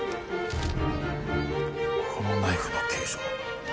このナイフの形状